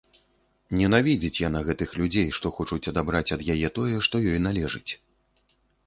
Ненавідзіць яна гэтых людзей, што хочуць адабраць ад яе тое, што ёй належыць.